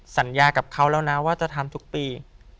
สัญญากับเขาแล้วนะว่าจะทำทุกปี